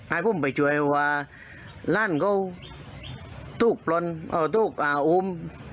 อ่าพุ่มไปช่วยว่าร้านเขาตูกปล่นอ่าตูกอ่าอุ้ม